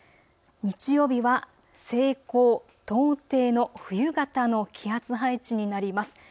日曜日は西高東低の冬型の気圧配置になります。